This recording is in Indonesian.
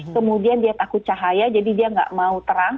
kemudian dia takut cahaya jadi dia nggak mau terang